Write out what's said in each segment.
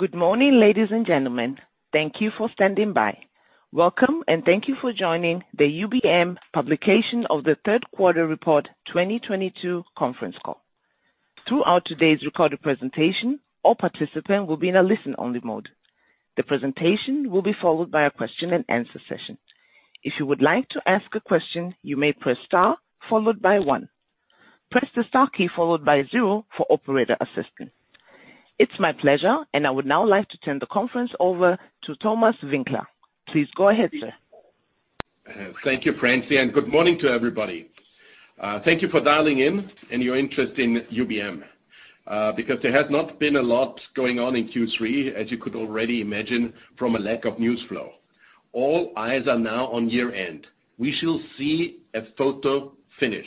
Good morning, ladies and gentlemen. Thank you for standing by. Welcome. Thank you for joining the UBM publication of the third quarter report 2022 conference call. Throughout today's recorded presentation, all participants will be in a listen-only mode. The presentation will be followed by a question-and-answer session. If you would like to ask a question, you may press star followed by one. Press the star key followed by zero for operator assistance. It's my pleasure. I would now like to turn the conference over to Thomas Winkler. Please go ahead, sir. Thank you, Francine, good morning to everybody. Thank you for dialing in and your interest in UBM. Because there has not been a lot going on in Q3, as you could already imagine from a lack of news flow. All eyes are now on year-end. We shall see a photo finish.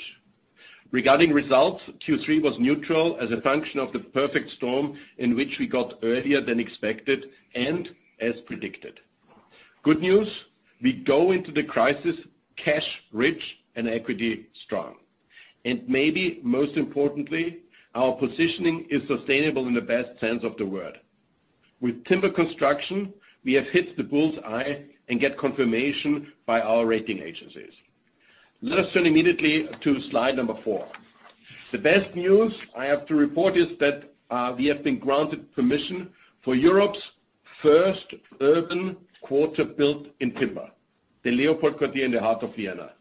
Regarding results, Q3 was neutral as a function of the perfect storm in which we got earlier than expected and as predicted. Good news, we go into the crisis cash rich and equity strong. Maybe most importantly, our positioning is sustainable in the best sense of the word. With timber construction, we have hit the bull's eye and get confirmation by our rating agencies. Let us turn immediately to slide number four. The best news I have to report is that we have been granted permission for Europe's first urban quarter built in timber, the LeopoldQuartier in the heart of Vienna.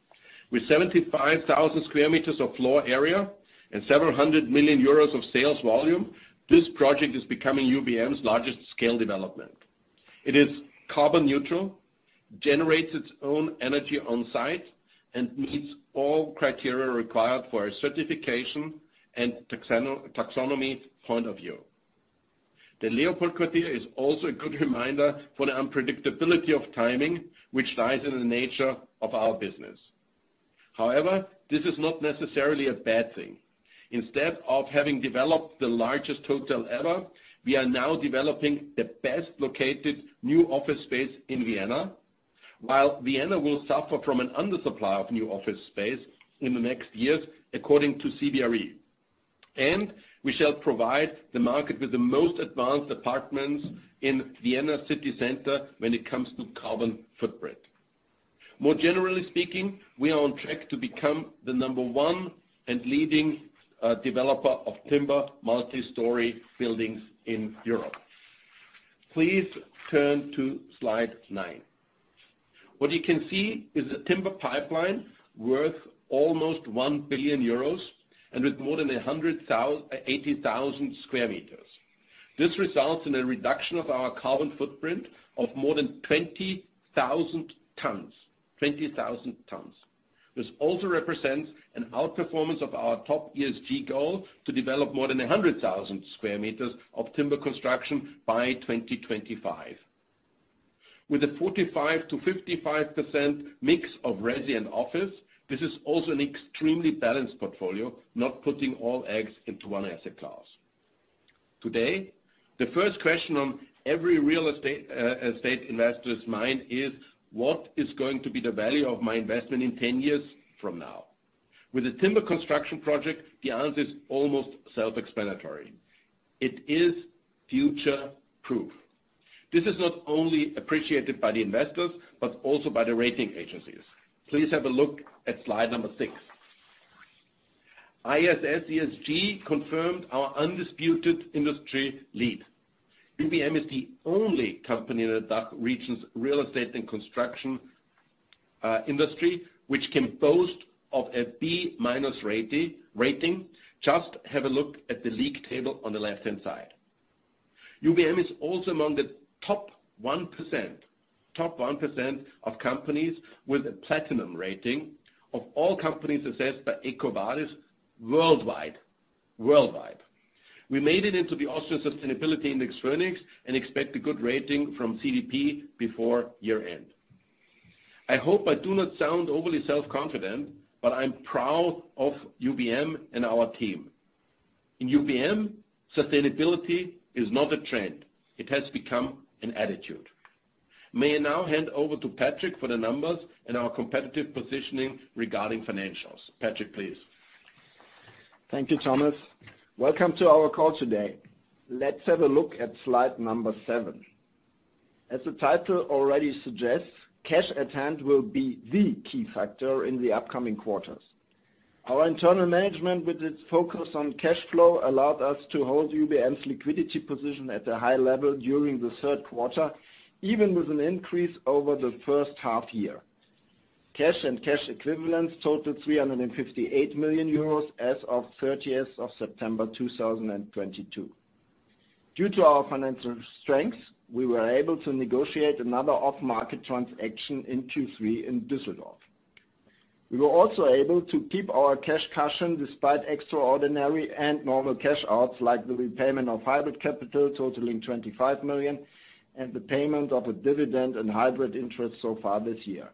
With 75,000 square meters of floor area and several hundred million EUR of sales volume, this project is becoming UBM's largest scale development. It is carbon neutral, generates its own energy on site, and meets all criteria required for a certification and Taxonomy point of view. The LeopoldQuartier is also a good reminder for the unpredictability of timing, which lies in the nature of our business. However, this is not necessarily a bad thing. Instead of having developed the largest hotel ever, we are now developing the best located new office space in Vienna, while Vienna will suffer from an undersupply of new office space in the next years, according to CBRE. We shall provide the market with the most advanced apartments in Vienna city center when it comes to carbon footprint. More generally speaking, we are on track to become the number one and leading developer of timber multi-story buildings in Europe. Please turn to slide nine. What you can see is a timber pipeline worth almost 1 billion euros and with more than 80,000 square meters. This results in a reduction of our carbon footprint of more than 20,000 tons. 20,000 tons. This also represents an outperformance of our top ESG goal to develop more than 100,000 square meters of timber construction by 2025. With a 45%-55% mix of resi and office, this is also an extremely balanced portfolio, not putting all eggs into one asset class. Today, the first question on every real estate investor's mind is: What is going to be the value of my investment in 10 years from now? With a timber construction project, the answer is almost self-explanatory. It is future-proof. This is not only appreciated by the investors, but also by the rating agencies. Please have a look at slide number six. ISS ESG confirmed our undisputed industry lead. UBM is the only company in the DACH region's real estate and construction industry which can boast of a B-minus rating. Just have a look at the league table on the left-hand side. UBM is also among the top 1% of companies with a platinum rating of all companies assessed by EcoVadis worldwide. We made it into the Austrian Sustainability Index, VÖNIX, and expect a good rating from CDP before year-end. I hope I do not sound overly self-confident, but I'm proud of UBM and our team. In UBM, sustainability is not a trend. It has become an attitude. May I now hand over to Patric for the numbers and our competitive positioning regarding financials. Patric, please. Thank you, Thomas. Welcome to our call today. Let's have a look at slide number seven. As the title already suggests, cash at hand will be the key factor in the upcoming quarters. Our internal management, with its focus on cash flow, allowed us to hold UBM's liquidity position at a high level during the third quarter, even with an increase over the first half year. Cash and cash equivalents totaled 358 million euros as of thirtieth of September 2022. Due to our financial strength, we were able to negotiate another off-market transaction in Q3 in Düsseldorf. We were also able to keep our cash cushion despite extraordinary and normal cash outs, like the repayment of hybrid capital totaling 25 million and the payment of a dividend and hybrid interest so far this year.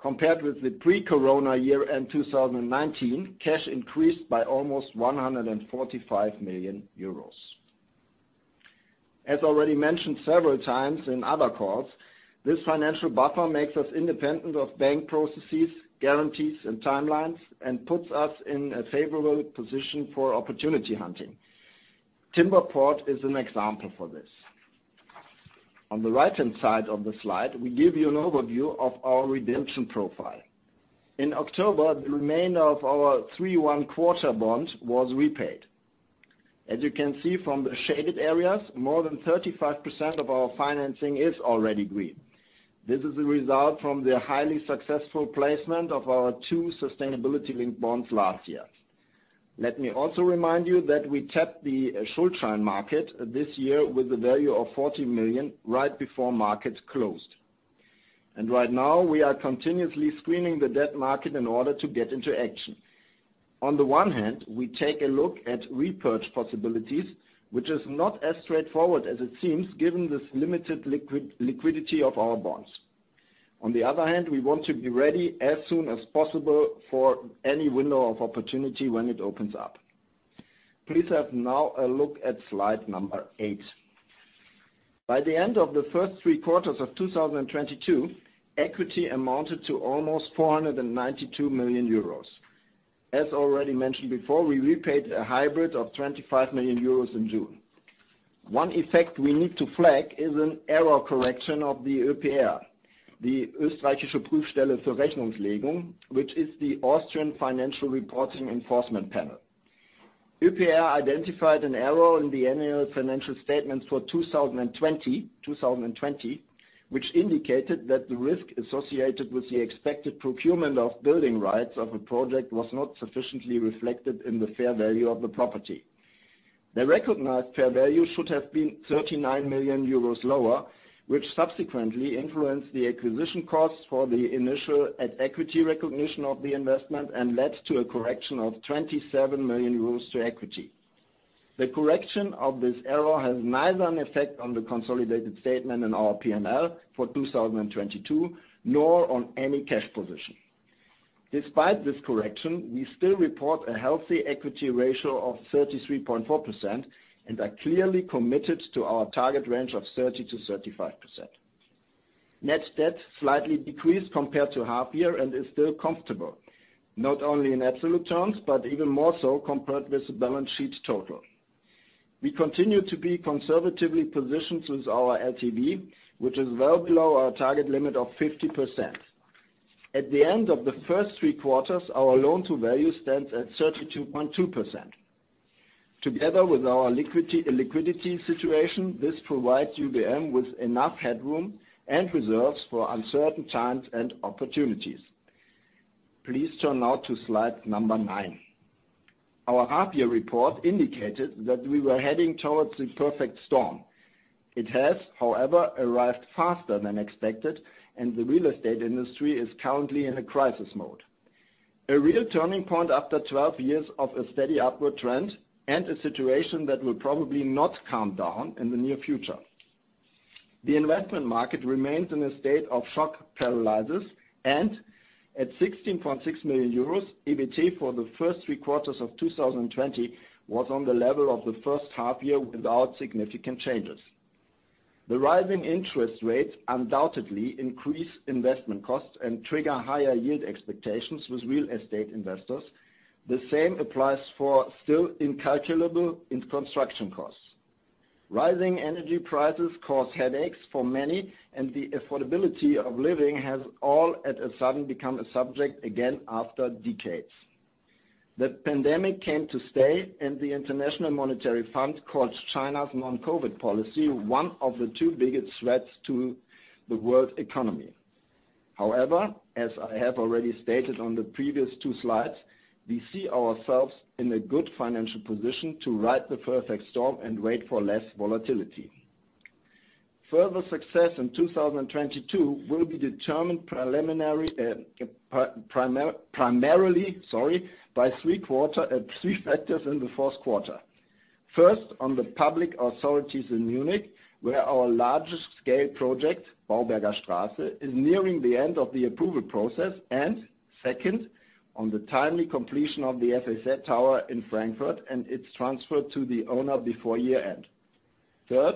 Compared with the pre-corona year-end 2019, cash increased by almost 145 million euros. As already mentioned several times in other calls, this financial buffer makes us independent of bank processes, guarantees, and timelines, and puts us in a favorable position for opportunity hunting. Timber Port is an example for this. On the right-hand side of the slide, we give you an overview of our redemption profile. In October, the remainder of our three-one quarter bond was repaid. As you can see from the shaded areas, more than 35% of our financing is already green. This is a result from the highly successful placement of our two sustainability-linked bonds last year. Let me also remind you that we tapped the Schuldschein market this year with a value of 40 million right before market closed. Right now, we are continuously screening the debt market in order to get into action. The one hand, we take a look at repurchase possibilities, which is not as straightforward as it seems, given this limited liquidity of our bonds. The other hand, we want to be ready as soon as possible for any window of opportunity when it opens up. Please have now a look at slide number eight. By the end of the first three quarters of 2022, equity amounted to almost 492 million euros. As already mentioned before, we repaid a hybrid of 25 million euros in June. One effect we need to flag is an error correction of the OePR, the Österreichische Prüfstelle für Rechnungslegung, which is the Austrian Financial Reporting Enforcement panel. OePR identified an error in the annual financial statements for 2020, which indicated that the risk associated with the expected procurement of building rights of a project was not sufficiently reflected in the fair value of the property. The recognized fair value should have been 39 million euros lower, which subsequently influenced the acquisition costs for the initial at equity recognition of the investment and led to a correction of 27 million euros to equity. The correction of this error has neither an effect on the consolidated statement in our P&L for 2022, nor on any cash position. Despite this correction, we still report a healthy equity ratio of 33.4% and are clearly committed to our target range of 30%-35%. Net debt slightly decreased compared to half year and is still comfortable, not only in absolute terms, but even more so compared with the balance sheet total. We continue to be conservatively positioned with our LTV, which is well below our target limit of 50%. At the end of the first three quarters, our loan-to-value stands at 32.2%. Together with our illiquidity situation, this provides UBM with enough headroom and reserves for uncertain times and opportunities. Please turn now to slide number nine. Our half year report indicated that we were heading towards the perfect storm. It has, however, arrived faster than expected, and the real estate industry is currently in a crisis mode. A real turning point after 12 years of a steady upward trend and a situation that will probably not calm down in the near future. The investment market remains in a state of shock paralyzes and at 16.6 million euros, EBT for the first three quarters of 2020 was on the level of the first half-year without significant changes. The rising interest rates undoubtedly increase investment costs and trigger higher yield expectations with real estate investors. The same applies for still incalculable in construction costs. Rising energy prices cause headaches for many, and the affordability of living has all at a sudden become a subject again after decades. The pandemic came to stay, and the International Monetary Fund calls China's non-COVID policy one of the two biggest threats to the world economy. However, as I have already stated on the previous two slides, we see ourselves in a good financial position to ride the perfect storm and wait for less volatility. Further success in 2022 will be determined primarily by three factors in the fourth quarter. First, on the public authorities in Munich, where our largest scale project, Baubergerstraße, is nearing the end of the approval process. Second, on the timely completion of the F.A.Z. Tower in Frankfurt and its transfer to the owner before year-end. Third,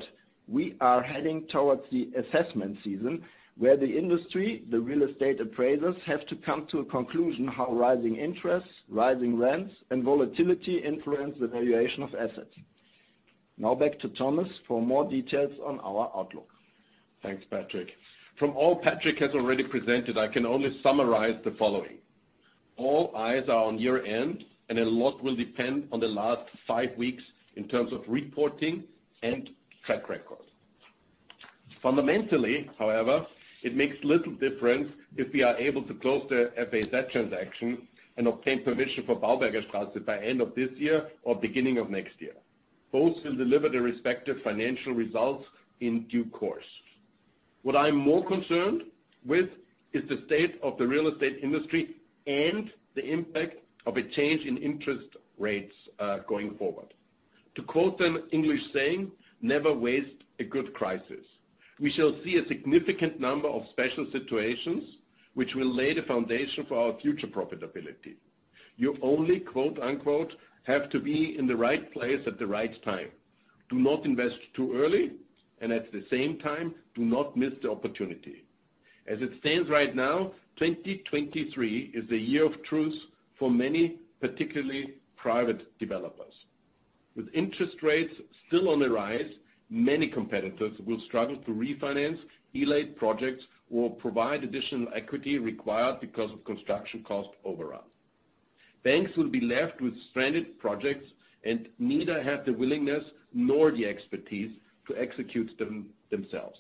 we are heading towards the assessment season where the industry, the real estate appraisers, have to come to a conclusion how rising interests, rising rents, and volatility influence the valuation of assets. Back to Thomas for more details on our outlook. Thanks, Patric. From all Patric has already presented, I can only summarize the following. All eyes are on year-end, and a lot will depend on the last five weeks in terms of reporting and track record. Fundamentally, however, it makes little difference if we are able to close the F.A.Z. transaction and obtain permission for Baubergerstraße by end of this year or beginning of next year. Both will deliver the respective financial results in due course. What I'm more concerned with is the state of the real estate industry and the impact of a change in interest rates going forward. To quote an English saying, never waste a good crisis. We shall see a significant number of special situations which will lay the foundation for our future profitability. You only quote unquote, have to be in the right place at the right time. Do not invest too early, and at the same time, do not miss the opportunity. As it stands right now, 2023 is the year of truth for many, particularly private developers. With interest rates still on the rise, many competitors will struggle to refinance delayed projects or provide additional equity required because of construction cost overrun. Banks will be left with stranded projects, and neither have the willingness nor the expertise to execute them, themselves.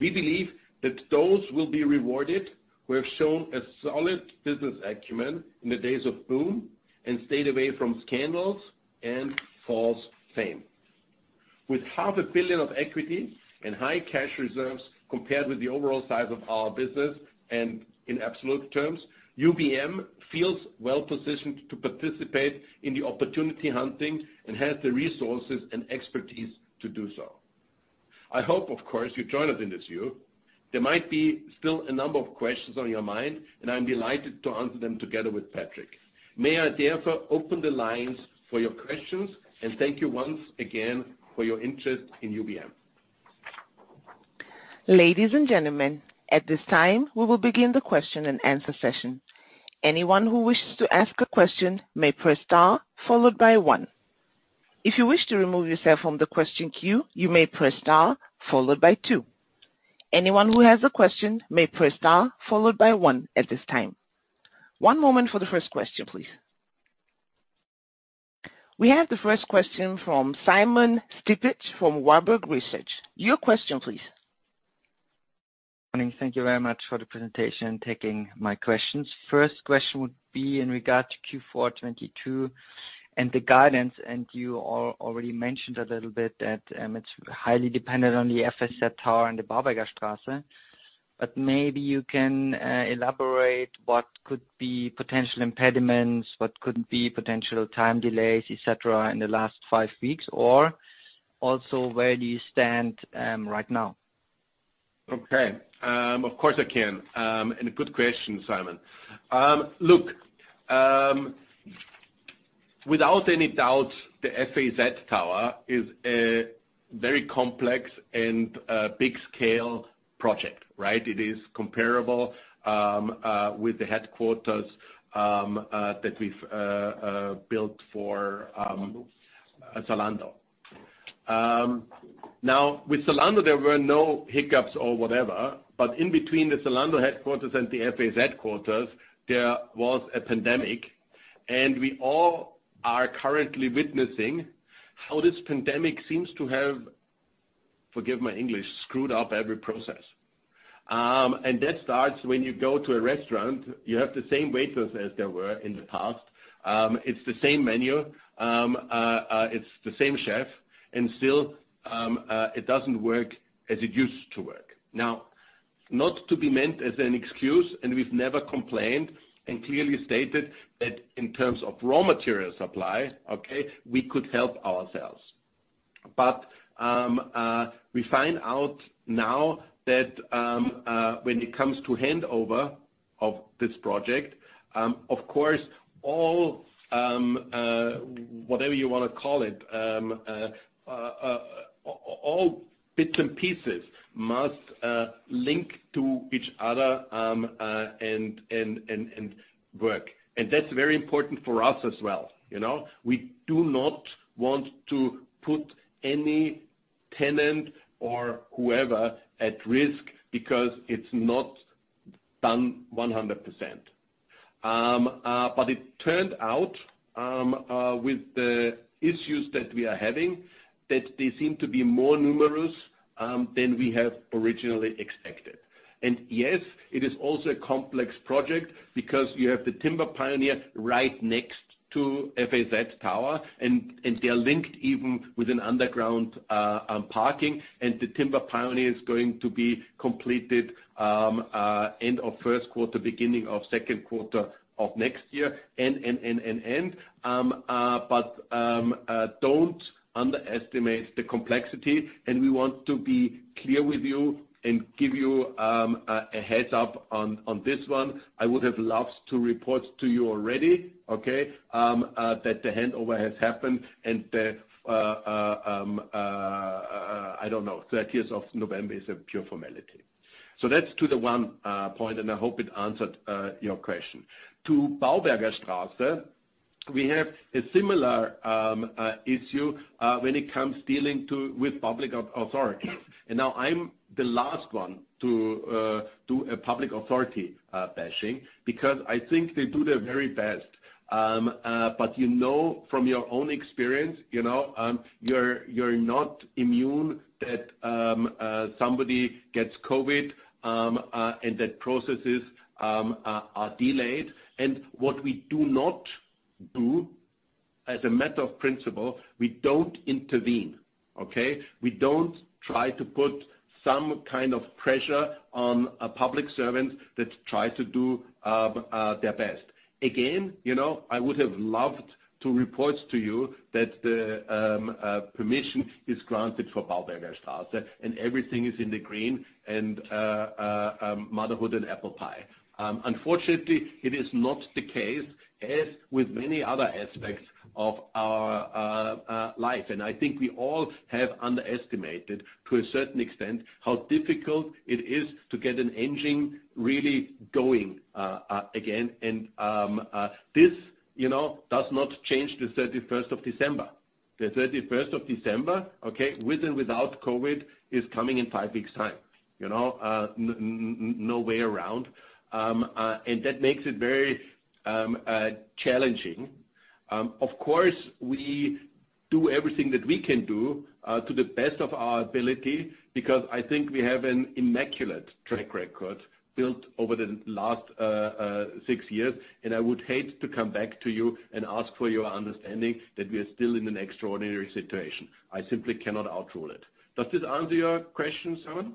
We believe that those will be rewarded who have shown a solid business acumen in the days of boom and stayed away from scandals and false fame. With half a billion EUR of equity and high cash reserves compared with the overall size of our business and in absolute terms, UBM feels well-positioned to participate in the opportunity hunting and has the resources and expertise to do so. I hope, of course, you join us in this view. There might be still a number of questions on your mind, and I'm delighted to answer them together with Patric. May I therefore open the lines for your questions, and thank you once again for your interest in UBM. Ladies and gentlemen, at this time, we will begin the question and answer session. Anyone who wishes to ask a question may press star followed by one. If you wish to remove yourself from the question queue, you may press star followed by two. Anyone who has a question may press star followed by one at this time. One moment for the first question, please. We have the first question from Simon Stippig, from Warburg Research. Your question, please. Thank you very much for the presentation, taking my questions. First question would be in regard to Q4 2022 and the guidance, you already mentioned a little bit that it's highly dependent on the F.A.Z. Tower and the Baubergerstraße. Maybe you can elaborate what could be potential impediments, what could be potential time delays, et cetera, in the last five weeks, or also where do you stand right now? Okay. Of course, I can. A good question, Simon. Look, without any doubt, the F.A.Z. Tower is a very complex and big scale project, right? It is comparable with the headquarters that we've built for Zalando. Now with Zalando, there were no hiccups or whatever. In between the Zalando headquarters and the F.A.Z. headquarters, there was a pandemic. We all are currently witnessing how this pandemic seems to have, forgive my English, screwed up every process. That starts when you go to a restaurant, you have the same waitress as there were in the past. It's the same menu, it's the same chef, and still, it doesn't work as it used to work. Now, not to be meant as an excuse, and we've never complained and clearly stated that in terms of raw material supply, okay, we could help ourselves. We find out now that when it comes to handover of this project, of course, all whatever you wanna call it, all bits and pieces must link to each other and work. That's very important for us as well, you know? We do not want to put any tenant or whoever at risk because it's not done 100%. It turned out with the issues that we are having, that they seem to be more numerous than we have originally expected. Yes, it is also a complex project because you have the Timber Pioneer right next to F.A.Z. Tower, and they are linked even with an underground parking, and the Timber Pioneer is going to be completed end of first quarter, beginning of second quarter of next year, and. Don't underestimate the complexity, and we want to be clear with you and give you a heads up on this one. I would have loved to report to you already that the handover has happened and I don't know, thirtieth of November is a pure formality. That's to the one point, and I hope it answered your question. To Baubergerstraße, we have a similar issue when it comes dealing with public authority. Now I'm the last one to do a public authority bashing because I think they do their very best. You know, from your own experience, you know, you're not immune that somebody gets COVID and that processes are delayed. What we do not do as a matter of principle, we don't intervene. Okay. We don't try to put some kind of pressure on a public servant that tries to do their best. Again, you know, I would have loved to report to you that the permission is granted for Baubergerstraße, and everything is in the green and motherhood and apple pie. Unfortunately, it is not the case, as with many other aspects of our life. I think we all have underestimated, to a certain extent, how difficult it is to get an engine really going again. This, you know, does not change the 31st of December. The 31st of December, okay, with and without COVID is coming in five weeks time, you know, no way around. That makes it very challenging. Of course, we do everything that we can do to the best of our ability, because I think we have an immaculate track record built over the last six years, and I would hate to come back to you and ask for your understanding that we are still in an extraordinary situation. I simply cannot outrule it. Does this answer your question, Simon?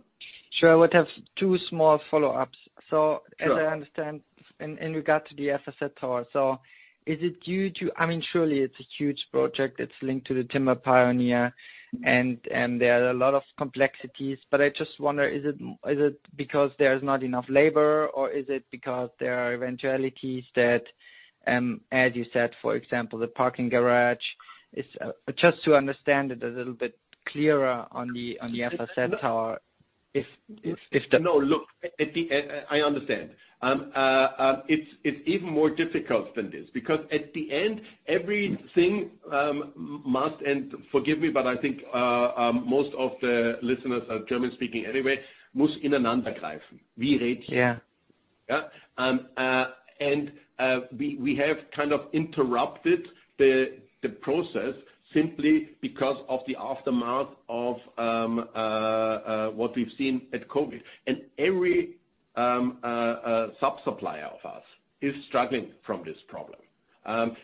Sure. I would have two small follow-ups. Sure. As I understand in regard to the F.A.Z. Tower, I mean, surely it's a huge project, it's linked to the Timber Pioneer and there are a lot of complexities. I just wonder, is it because there's not enough labor or is it because there are eventualities that, as you said, for example, the parking garage? It's just to understand it a little bit clearer on the F.A.Z. Tower. No, look, at the end I understand. It's even more difficult than this because at the end everything must and forgive me, but I think most of the listeners are German-speaking anyway, Yeah. Yeah. We have kind of interrupted the process simply because of the aftermath of what we've seen at COVID. Every sub-supplier of ours is struggling from this problem.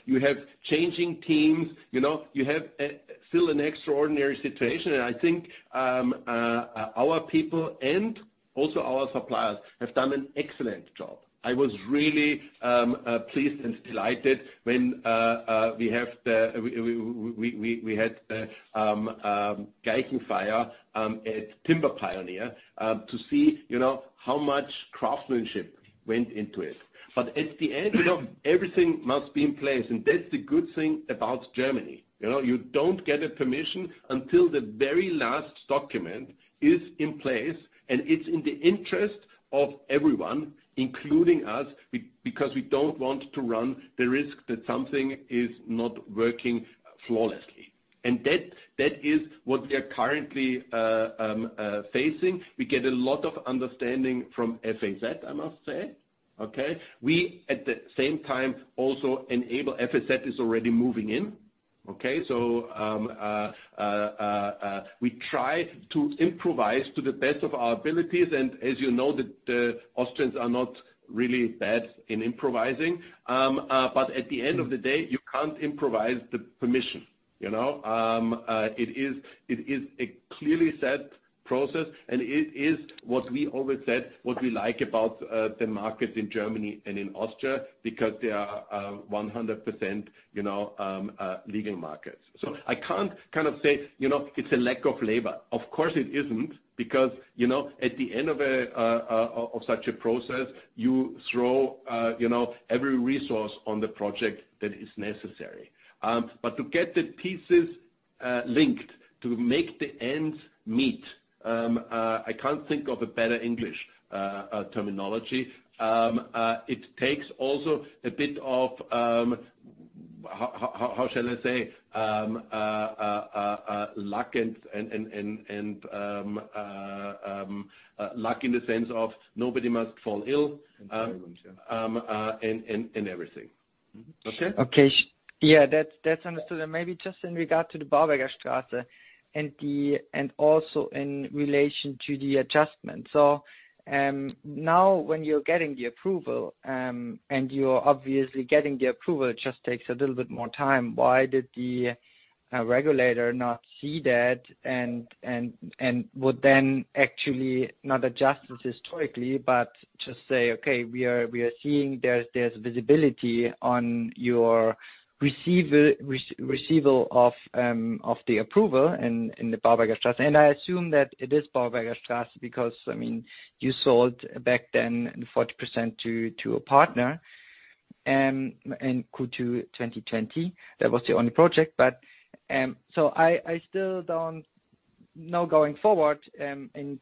You have changing teams. You know, you have still an extraordinary situation. I think our people and also our suppliers have done an excellent job. I was really pleased and delighted when we had Richtfest at Timber Pioneer to see, you know, how much craftsmanship went into it. At the end, you know, everything must be in place. That's the good thing about Germany. You know, you don't get a permission until the very last document is in place. It's in the interest of everyone, including us, because we don't want to run the risk that something is not working flawlessly. That, that is what we are currently facing. We get a lot of understanding from F.A.Z., I must say. Okay? We at the same time also enable F.A.Z. is already moving in. Okay? We try to improvise to the best of our abilities. As you know, the Austrians are not really bad in improvising. At the end of the day, you can't improvise the permission, you know? It is, it is a clearly set process. It is what we always said, what we like about the market in Germany and in Austria because they are 100%, you know, legal markets. I can't kind of say, you know, it's a lack of labor. Of course it isn't because, you know, at the end of a of such a process, you throw, you know, every resource on the project that is necessary. To get the pieces linked to make the ends meet, I can't think of a better English terminology. It takes also a bit of how shall I say? luck and luck in the sense of nobody must fall ill. Everything. Okay? That's understood. Maybe just in regard to the Baubergerstraße and also in relation to the adjustment. Now when you're getting the approval, and you're obviously getting the approval, it just takes a little bit more time. Why did the regulator not see that and would then actually not adjust it historically, but just say, "Okay, we are seeing there's visibility on your receival of the approval in the Baubergerstraße." I assume that it is Baubergerstraße because, I mean, you sold back then 40% to a partner in Q2 2020. That was the only project. I still don't know going forward, in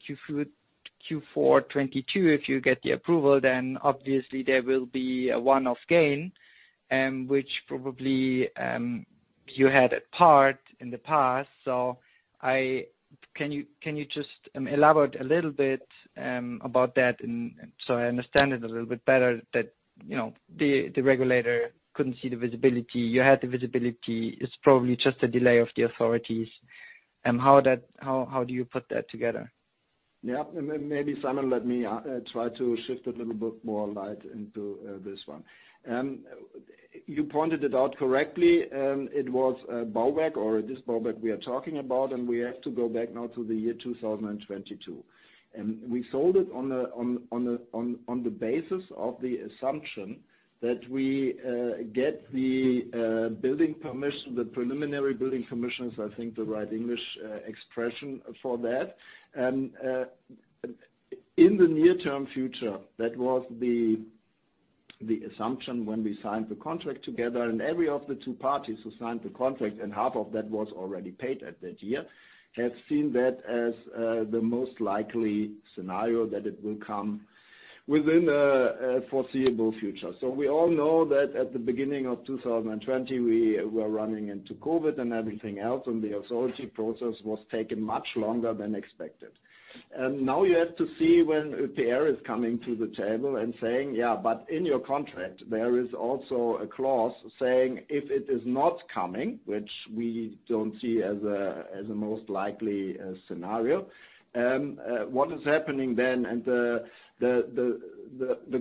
Q4 2022 if you get the approval, then obviously there will be a one-off gain, which probably you had a part in the past. Can you just elaborate a little bit about that and so I understand it a little bit better that, you know, the regulator couldn't see the visibility. You had the visibility. It's probably just a delay of the authorities. How do you put that together? Maybe Simon, let me try to shift a little bit more light into this one. You pointed it out correctly, it was Bow Back or this Bow Back we are talking about, and we have to go back now to the year 2022. We sold it on the basis of the assumption that we get the building permission, the preliminary building permissions, I think the right English expression for that. In the near-term future, that was the assumption when we signed the contract together and every of the two parties who signed the contract, and half of that was already paid at that year, have seen that as the most likely scenario that it will come within a foreseeable future. We all know that at the beginning of 2020, we were running into COVID and everything else, and the authority process was taking much longer than expected. Now you have to see when Pierre is coming to the table and saying, "Yeah, but in your contract there is also a clause saying if it is not coming," which we don't see as the most likely scenario. What is happening then, and the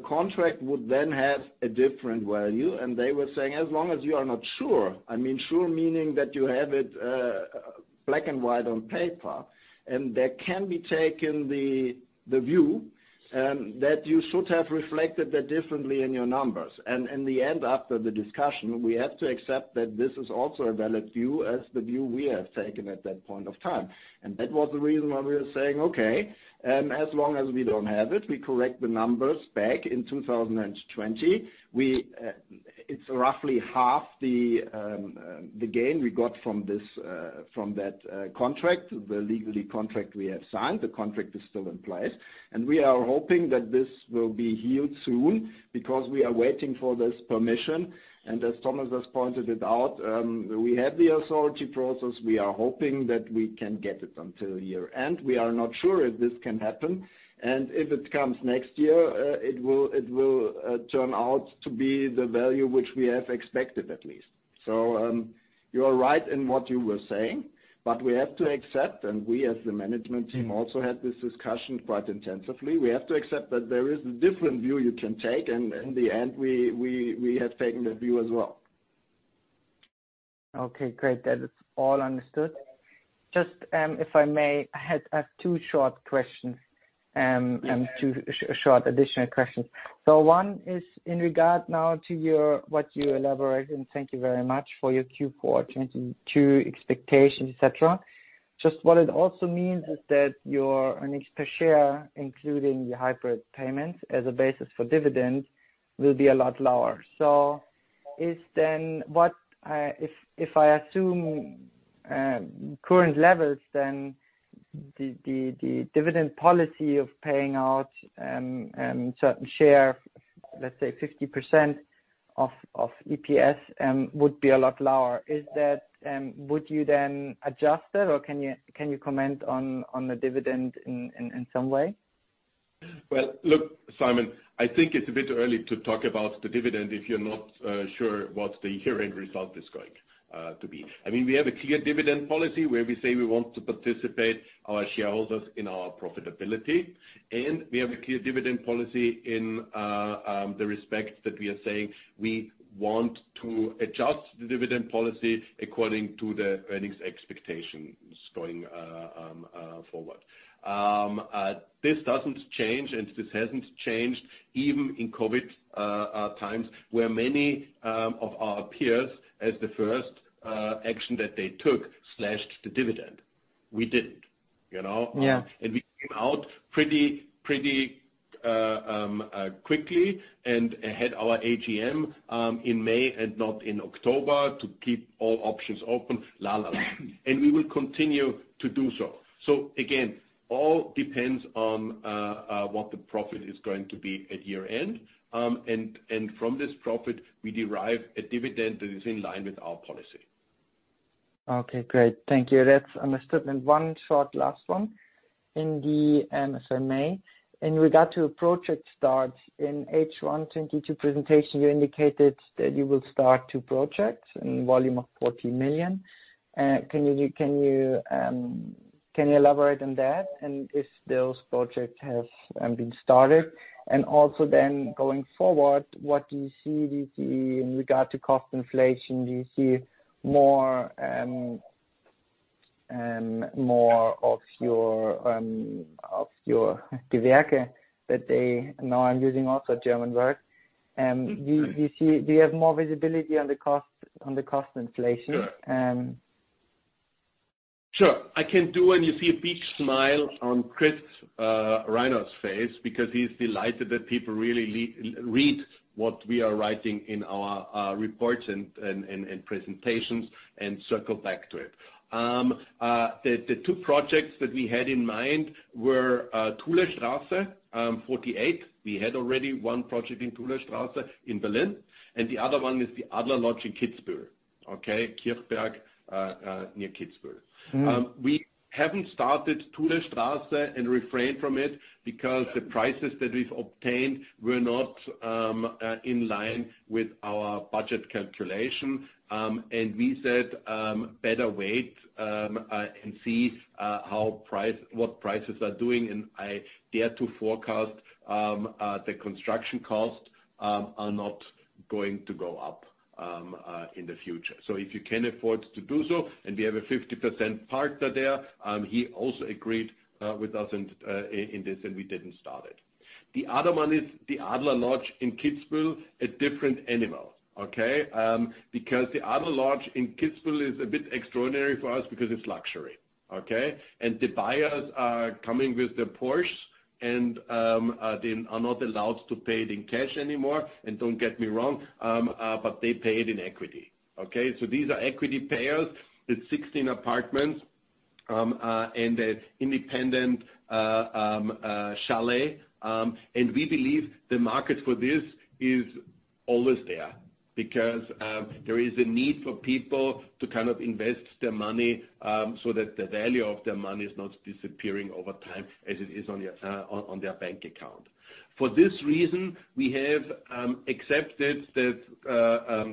contract would then have a different value. They were saying, "As long as you are not sure," I mean, sure meaning that you have it black and white on paper, and there can be taken the view that you should have reflected that differently in your numbers. In the end after the discussion, we have to accept that this is also a valid view as the view we have taken at that point of time. That was the reason why we were saying, "Okay, as long as we don't have it, we correct the numbers back in 2020." It's roughly half the gain we got from this, from that, contract, the legally contract we have signed. The contract is still in place. We are hoping that this will be healed soon because we are waiting for this permission. As Thomas has pointed it out, we have the authority process. We are hoping that we can get it until year-end. We are not sure if this can happen. If it comes next year, it will turn out to be the value which we have expected at least. You are right in what you were saying, but we have to accept, and we as the management team also had this discussion quite intensively. We have to accept that there is a different view you can take, and in the end, we have taken that view as well. Okay, great. That is all understood. Just, if I may, I had two short questions, two short additional questions. One is in regard now to your, what you elaborated, and thank you very much for your Q4 2022 expectations, et cetera. Just what it also means is that your earnings per share, including your hybrid payments as a basis for dividends, will be a lot lower. Is then what I assume current levels, then the dividend policy of paying out certain share, let's say 50% of EPS, would be a lot lower. Is that, would you then adjust it or can you comment on the dividend in some way? Well, look, Simon, I think it's a bit early to talk about the dividend if you're not sure what the year-end result is going to be. I mean, we have a clear dividend policy where we say we want to participate our shareholders in our profitability. We have a clear dividend policy in the respect that we are saying we want to adjust the dividend policy according to the earnings expectations going forward. This doesn't change and this hasn't changed even in COVID times, where many of our peers, as the first action that they took slashed the dividend. We didn't, you know? Yeah. We came out pretty quickly and had our AGM in May and not in October to keep all options open, la, la. We will continue to do so. Again, all depends on what the profit is going to be at year-end. And from this profit, we derive a dividend that is in line with our policy. Okay, great. Thank you. That's understood. One short last one. In the SMA, in regard to project start in H1 2022 presentation, you indicated that you will start two projects in volume of 14 million. Can you elaborate on that? If those projects have been started. Going forward, what do you see in regard to cost inflation, do you see more, do you have more visibility on the cost inflation? Sure. I can do. You see a big smile on Chris Rainer's face because he's delighted that people really read what we are writing in our reports and presentations and circle back to it. The two projects that we had in mind were Thulestraße 48. We had already one project in Thulestraße in Berlin. The other one is the Adler Lodge in Kitzbühel. Okay. Kirchberg, near Kitzbühel. We haven't started Thulestraße and refrained from it because the prices that we've obtained were not in line with our budget calculation. We said, better wait and see what prices are doing. I dare to forecast, the construction costs are not going to go up in the future. If you can afford to do so and we have a 50% partner there, he also agreed with us and in this, and we didn't start it. The other one is the Adler Lodge in Kitzbühel, a different animal, okay? The Adler Lodge in Kitzbühel is a bit extraordinary for us because it's luxury, okay? The buyers are coming with their Porsche. They are not allowed to pay it in cash anymore. Don't get me wrong, they pay it in equity, okay? These are equity payers with 16 apartments and an independent chalet. We believe the market for this is always there because there is a need for people to kind of invest their money so that the value of their money is not disappearing over time as it is on their bank account. For this reason, we have accepted that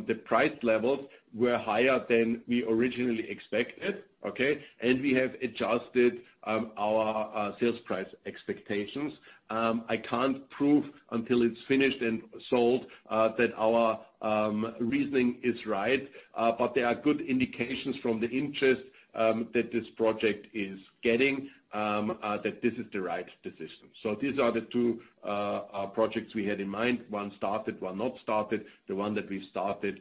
the price levels were higher than we originally expected, okay? We have adjusted our sales price expectations. I can't prove until it's finished and sold that our reasoning is right, but there are good indications from the interest that this project is getting that this is the right decision. These are the two projects we had in mind. One started, one not started. The one that we started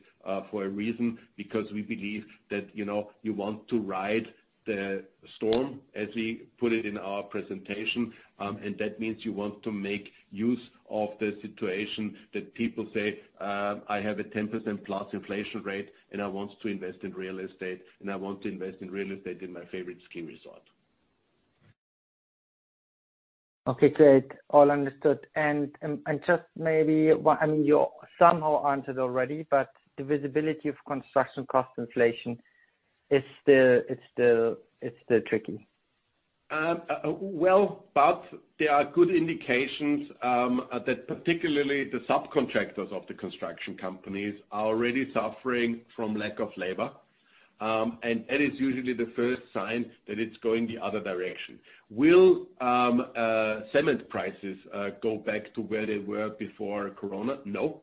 for a reason because we believe that, you know, you want to ride the storm, as we put it in our presentation. That means you want to make use of the situation that people say, "I have a 10% plus inflation rate, and I want to invest in real estate, and I want to invest in real estate in my favorite ski resort. Okay. Great. All understood. Just maybe one. I mean, you somehow answered already, the visibility of construction cost inflation is still, it's still tricky. Well, there are good indications that particularly the subcontractors of the construction companies are already suffering from lack of labor. That is usually the first sign that it's going the other direction. Will cement prices go back to where they were before Corona? No.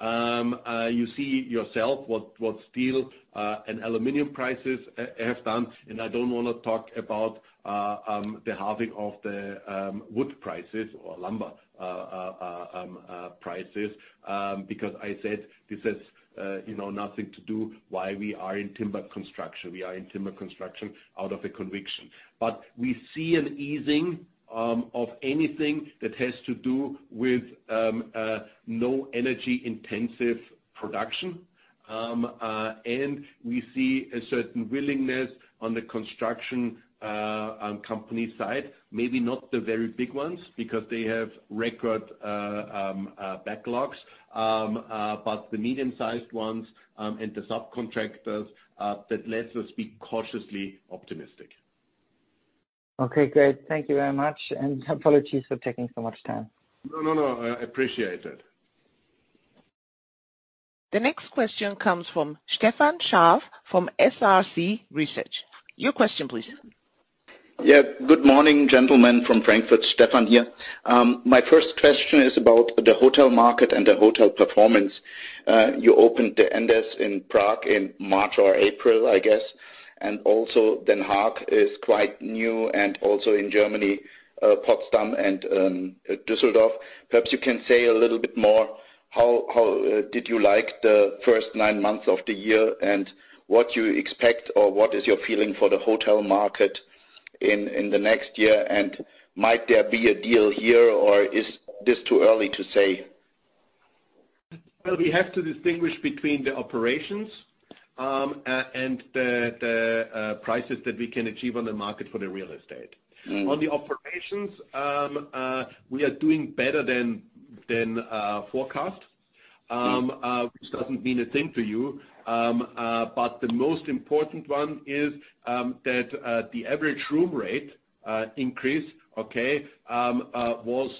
You see yourself what steel and aluminum prices have done, and I don't wanna talk about the halving of the wood prices or lumber prices, because I said this has, you know, nothing to do why we are in timber construction. We are in timber construction out of a conviction. We see an easing of anything that has to do with no energy intensive production. We see a certain willingness on the construction company side, maybe not the very big ones because they have record backlogs. The medium sized ones, and the subcontractors, that lets us be cautiously optimistic. Okay. Great. Thank you very much. Apologies for taking so much time. No, no. I appreciate it. The next question comes from Stefan Scharff from SRC Research. Your question please. Good morning, gentlemen, from Frankfurt. Stefan here. My first question is about the hotel market and the hotel performance. You opened the Andaz Prague in March or April, I guess. Also Den Haag is quite new and also in Germany, Potsdam and Düsseldorf. Perhaps you can say a little bit more, how did you like the first nine months of the year and what you expect or what is your feeling for the hotel market in the next year, and might there be a deal here or is this too early to say? We have to distinguish between the operations and the prices that we can achieve on the market for the real estate. Mm-hmm. On the operations, we are doing better than forecast, which doesn't mean a thing to you. The most important one is that the average room rate increase, okay, was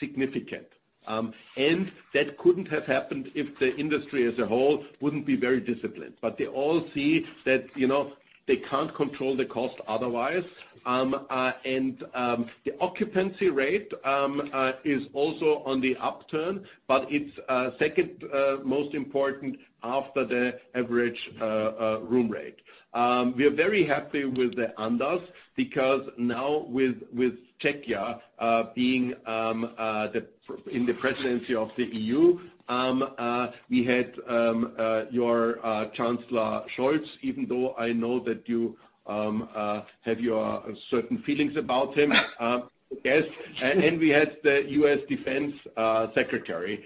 significant. That couldn't have happened if the industry as a whole wouldn't be very disciplined. They all see that, you know, they can't control the cost otherwise. The occupancy rate is also on the upturn, but it's second most important after the average room rate. We are very happy with the Andaz because now with Czechia being in the presidency of the EU, we had your Chancellor Scholz, even though I know that you have your certain feelings about him. We had the U.S. Defense secretary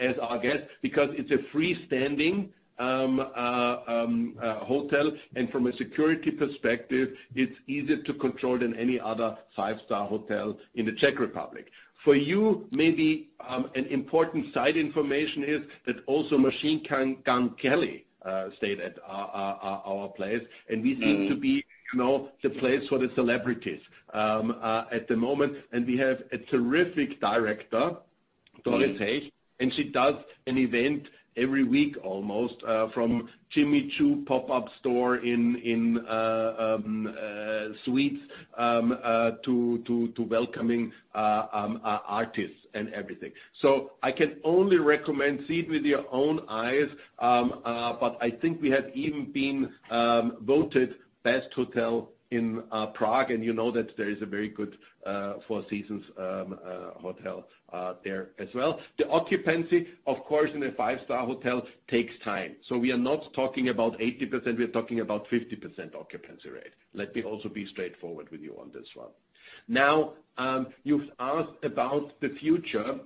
as our guest because it's a freestanding hotel, and from a security perspective, it's easier to control than any other five-star hotel in the Czech Republic. For you, maybe, an important side information is that also Machine Gun Kelly stayed at our place. Mm-hmm. We seem to be, you know, the place for the celebrities at the moment. We have a terrific director. She does an event every week almost, from Jimmy Choo pop-up store in suites, to welcoming artists and everything. I can only recommend see it with your own eyes. But I think we have even been voted best hotel in Prague, and you know that there is a very good Four Seasons hotel there as well. The occupancy, of course, in a five-star hotel takes time. We are not talking about 80%, we're talking about 50% occupancy rate. Let me also be straightforward with you on this one. Now, you've asked about the future.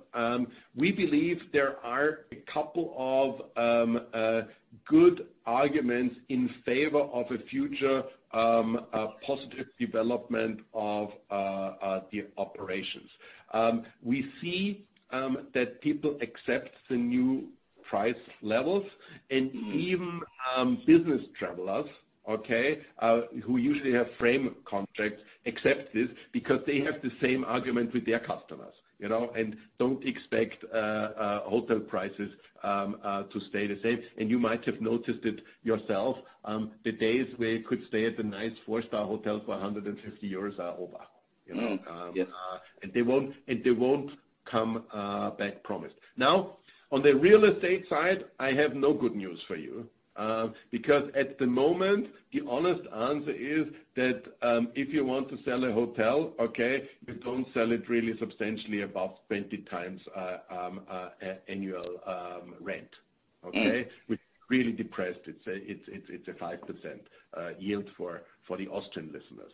We believe there are a couple of good arguments in favor of a future positive development of the operations. We see that people accept the new price levels. Mm-hmm. Even business travelers, okay, who usually have frame contracts, accept this because they have the same argument with their customers, you know, and don't expect hotel prices to stay the same. You might have noticed it yourself, the days where you could stay at a nice four-star hotel for 150 euros are over, you know? Yes. They won't come back, promise. On the real estate side, I have no good news for you, because at the moment, the honest answer is that, if you want to sell a hotel, okay, you don't sell it really substantially above 20 times annual rent. Okay? Mm. Which really depressed, it's a 5% yield for the Austrian listeners.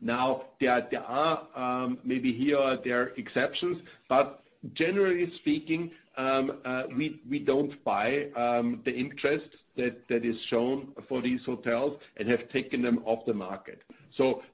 Now, there are maybe here or there exceptions, but generally speaking, we don't buy the interest that is shown for these hotels and have taken them off the market.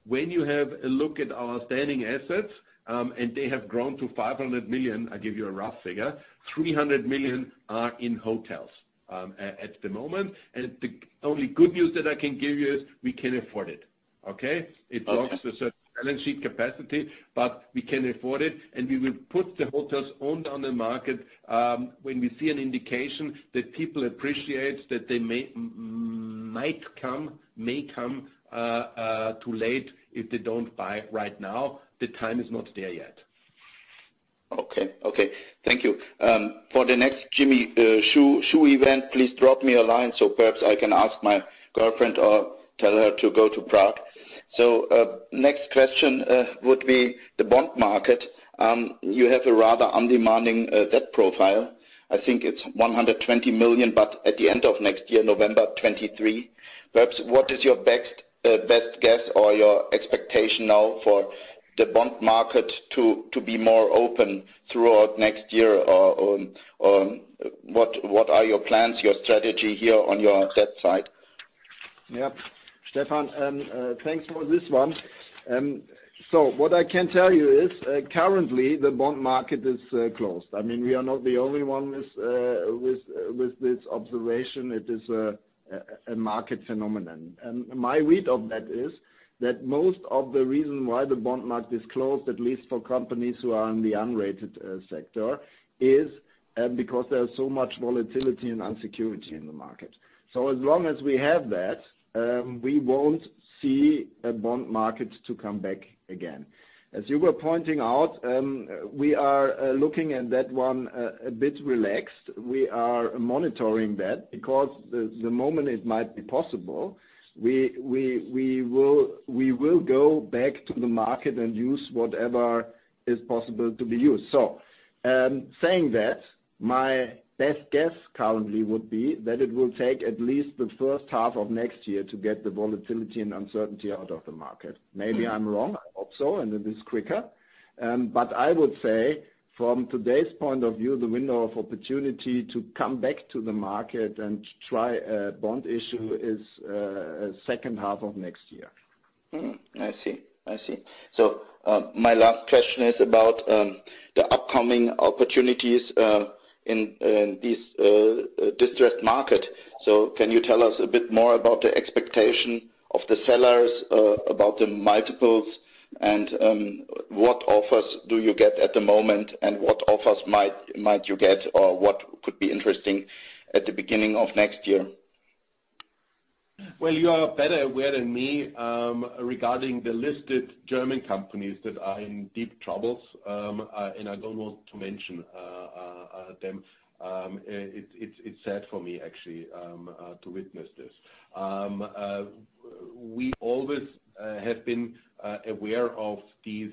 When you have a look at our standing assets, and they have grown to 500 million, I give you a rough figure, 300 million are in hotels at the moment. The only good news that I can give you is we can afford it, okay? Okay. It blocks a certain balance sheet capacity, but we can afford it, and we will put the hotels owned on the market, when we see an indication that people appreciate that they may come too late if they don't buy right now. The time is not there yet. Okay. Okay. Thank you. For the next Jimmy Choo event, please drop me a line so perhaps I can ask my girlfriend or tell her to go to Prague. Next question would be the bond market. You have a rather undemanding debt profile. I think it's 120 million, but at the end of next year, November 2023. Perhaps, what is your best guess or your expectation now for the bond market to be more open throughout next year or what are your plans, your strategy here on your debt side? Yeah. Stefan, thanks for this one. What I can tell you is, currently the bond market is closed. I mean, we are not the only ones with this observation. It is a market phenomenon. My read of that is that most of the reason why the bond market is closed, at least for companies who are in the unrated sector, is because there's so much volatility and unsecurity in the market. As long as we have that, we won't see a bond market to come back again. As you were pointing out, we are looking at that one a bit relaxed. We are monitoring that because the moment it might be possible, we will go back to the market and use whatever is possible to be used. Saying that, my best guess currently would be that it will take at least the first half of next year to get the volatility and uncertainty out of the market. Mm. Maybe I'm wrong. I hope so, and it is quicker. I would say from today's point of view, the window of opportunity to come back to the market and try a bond issue is second half of next year. I see. I see. My last question is about the upcoming opportunities in this district market. Can you tell us a bit more about the expectation of the sellers, about the multiples and what offers do you get at the moment and what offers might you get or what could be interesting at the beginning of next year? Well, you are better aware than me, regarding the listed German companies that are in deep troubles, I don't want to mention them. It's sad for me actually, to witness this. We always have been aware of these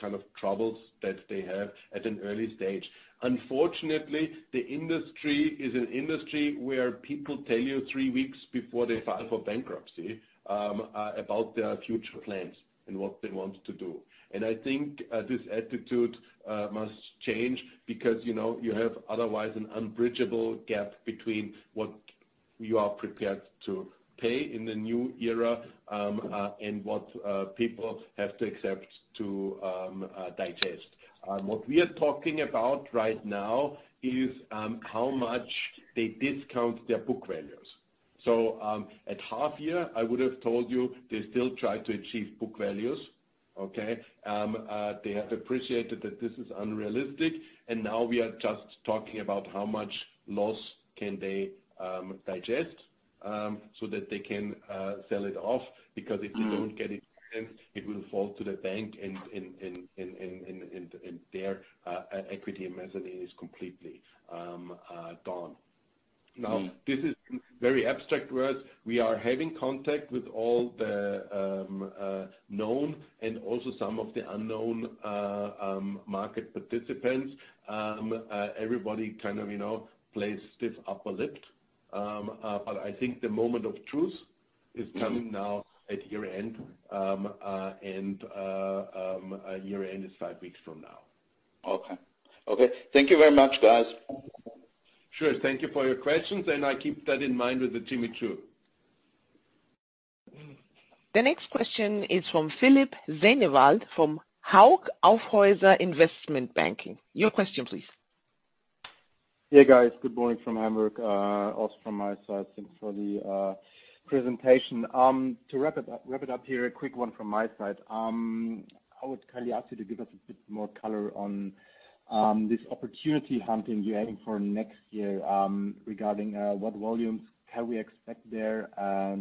kind of troubles that they have at an early stage. Unfortunately, the industry is an industry where people tell you three weeks before they file for bankruptcy, about their future plans and what they want to do. I think, this attitude must change because, you know, you have otherwise an unbridgeable gap between what you are prepared to pay in the new era, and what people have to accept to digest. What we are talking about right now is how much they discount their book values. At half-year, I would have told you they still try to achieve book values, okay. They have appreciated that this is unrealistic, now we are just talking about how much loss can they digest so that they can sell it off. If they don't get it done, it will fall to the bank and their equity and mezzanine is completely gone. This is very abstract words. We are having contact with all the known and also some of the unknown market participants. Everybody kind of, you know, plays this upper lip. I think the moment of truth is coming now at year-end, and year-end is five weeks from now. Okay. Okay. Thank you very much, guys. Sure. Thank you for your questions. I keep that in mind with the Jimmy Choo. The next question is from Philipp Seewald from Hauck Aufhäuser Lampe Investment Banking. Your question please. Hey, guys. Good morning from Hamburg. Also from my side, thanks for the presentation. To wrap it up here, a quick one from my side. I would kindly ask you to give us a bit more color on this opportunity hunting you're aiming for next year regarding what volumes can we expect there? I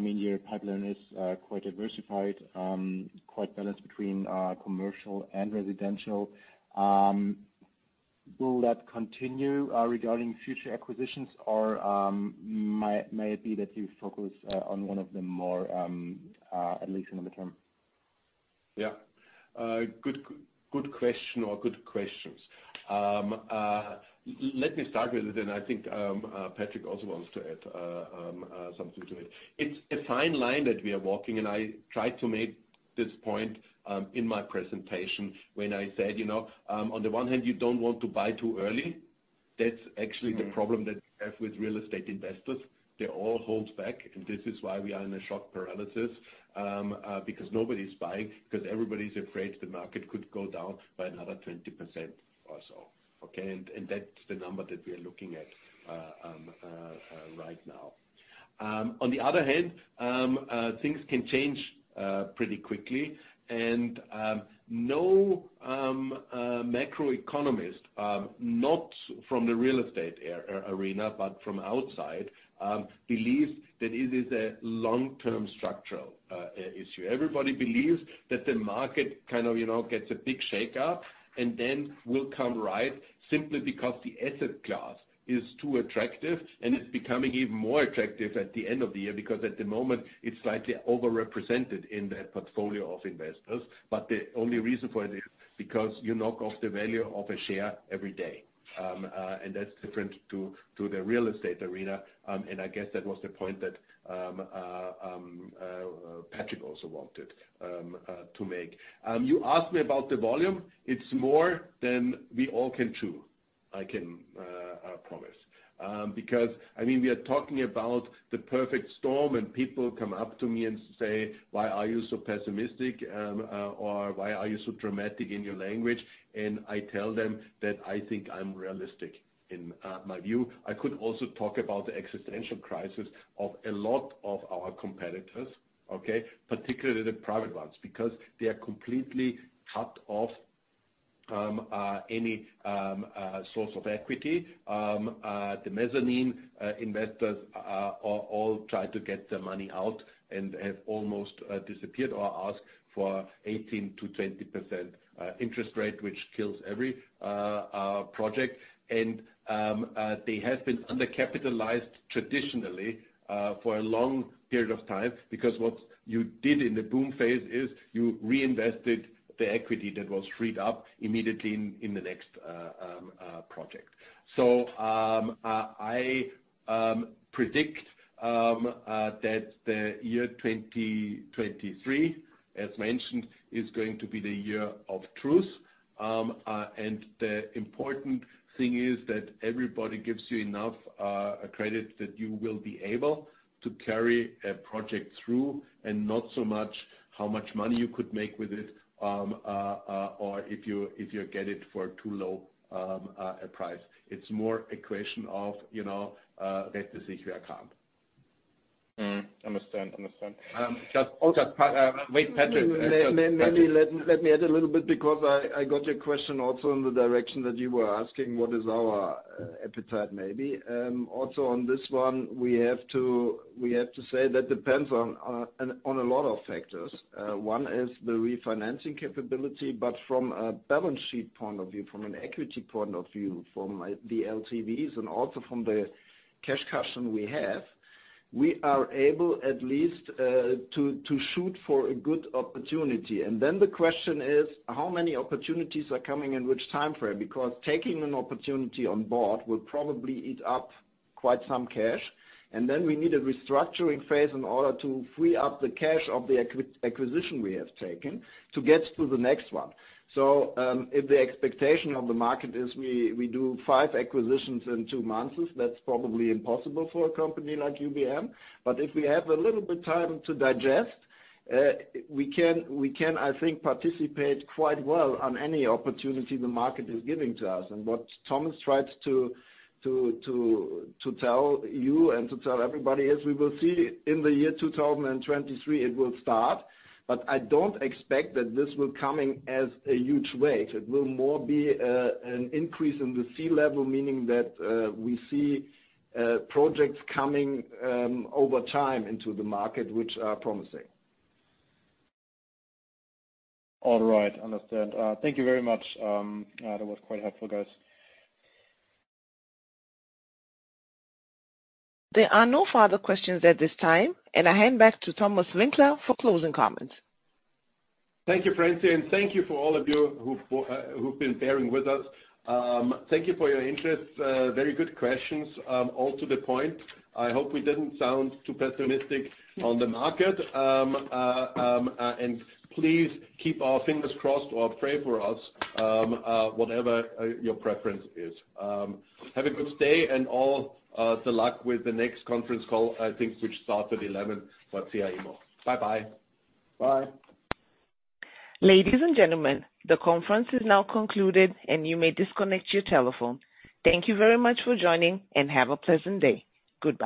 mean, your pipeline is quite diversified, quite balanced between commercial and residential. Will that continue regarding future acquisitions or may it be that you focus on one of them more at least in the midterm? Yeah. Good question or good questions. Let me start with it, and I think Patric also wants to add something to it. It's a fine line that we are walking, and I tried to make this point in my presentation when I said, you know, on the one hand, you don't want to buy too early. That's actually the problem that we have with real estate investors. They all hold back, and this is why we are in a shock paralysis, because nobody's buying, because everybody's afraid the market could go down by another 20% or so, okay? And that's the number that we are looking at right now. On the other hand, things can change pretty quickly. No macro economist, not from the real estate arena, but from outside, believes that it is a long-term structural issue. Everybody believes that the market kind of, you know, gets a big shakeup and then will come right simply because the asset class is too attractive and it's becoming even more attractive at the end of the year. At the moment, it's slightly overrepresented in the portfolio of investors. The only reason for it is because you knock off the value of a share every day. That's different to the real estate arena. I guess that was the point that Patric also wanted to make. You asked me about the volume. It's more than we all can chew, I can promise. I mean, we are talking about the perfect storm, and people come up to me and say, "Why are you so pessimistic?" "Why are you so dramatic in your language?" I tell them that I think I'm realistic in my view. I could also talk about the existential crisis of a lot of our competitors, okay, particularly the private ones, because they are completely cut off any source of equity. The mezzanine investors all try to get their money out and have almost disappeared or asked for 18%-20% interest rate, which kills every project. They have been undercapitalized traditionally for a long period of time. What you did in the boom phase is you reinvested the equity that was freed up immediately in the next project. I predict that the year 2023, as mentioned, is going to be the year of truth. The important thing is that everybody gives you enough credit that you will be able to carry a project through and not so much how much money you could make with it, or if you get it for too low a price. It's more a question of, you know. Understand. Just wait, Patric. Maybe let me add a little bit because I got your question also in the direction that you were asking, what is our appetite, maybe? Also on this one, we have to say that depends on a lot of factors. One is the refinancing capability, but from a balance sheet point of view, from an equity point of view, from the LTVs and also from the cash cushion we have, we are able at least to shoot for a good opportunity. The question is, how many opportunities are coming in which time frame? Because taking an opportunity on board will probably eat up quite some cash. We need a restructuring phase in order to free up the cash of the acquisition we have taken to get to the next one. If the expectation of the market is we do five acquisitions in two months, that's probably impossible for a company like UBM. If we have a little bit time to digest, we can, I think, participate quite well on any opportunity the market is giving to us. What Thomas tries to tell you and to tell everybody is we will see in the year 2023, it will start. I don't expect that this will coming as a huge wave. It will more be an increase in the sea level, meaning that we see projects coming over time into the market which are promising. All right. Understand. Thank you very much. That was quite helpful, guys. There are no further questions at this time, and I hand back to Thomas Winkler for closing comments. Thank you, Francine. Thank you for all of you who've been bearing with us. Thank you for your interest. Very good questions. All to the point. I hope we didn't sound too pessimistic on the market. Please keep our fingers crossed or pray for us, whatever your preference is. Have a good day and all the luck with the next conference call, I think, which starts at 11 for CIM. Bye-bye. Bye. Ladies and gentlemen, the conference is now concluded, and you may disconnect your telephone. Thank you very much for joining, and have a pleasant day. Goodbye.